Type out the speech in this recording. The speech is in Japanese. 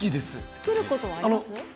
作ることありますか？